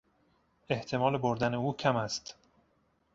احتمال بردن او کم است.